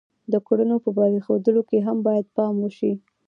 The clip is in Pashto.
د کړنو په پرېښودلو کې هم باید پام وشي.